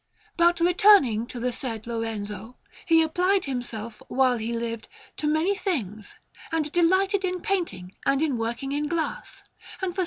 But returning to the said Lorenzo: he applied himself, while he lived, to many things, and delighted in painting and in working in glass, and for S.